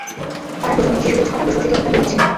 তাঁরা দুজনে শিশুদের ছ-টা প্রশংসিত বিজ্ঞান বই লিখেছিলেন।